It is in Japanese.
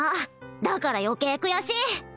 だから余計悔しい！